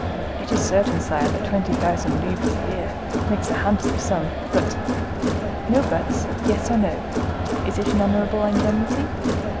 "It is certain, sire, that twenty thousand livres a year make a handsome sum; but—" "No buts! Yes or no, is it an honorable indemnity?"